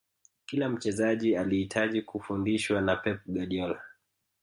kila mchezaji alihitaji kufundishwa na pep guardiola